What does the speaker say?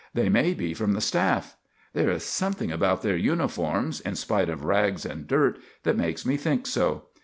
They may be from the staff. There is something about their uniforms, in spite of rags and dirt, that makes me think so.